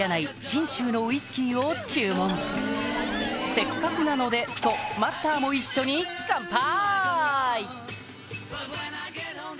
「せっかくなので」とマスターも一緒に乾杯！